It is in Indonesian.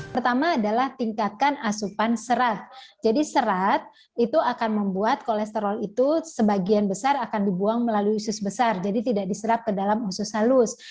pertama adalah tingkatkan asupan serat jadi serat itu akan membuat kolesterol itu sebagian besar akan dibuang melalui usus besar jadi tidak diserap ke dalam usus halus